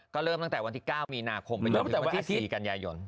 ก็เริ่มตั้งแต่วันที่๙มีนาคมเริ่มตั้งแต่วันที่๔กันยายน